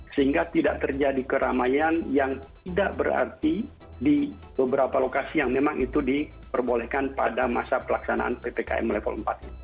sehingga tidak terjadi keramaian yang tidak berarti di beberapa lokasi yang memang itu diperbolehkan pada masa pelaksanaan ppkm level empat ini